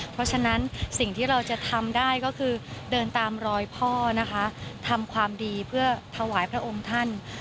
เพราะฉะนั้นสิ่งที่เราจะทำได้ก็คือเดินตามรอยพ่อนะคะทำความดีเพื่อถวายพระองค์ท่าน